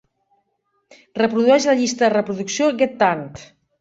Reprodueix la llista de reproducció Get Turnt.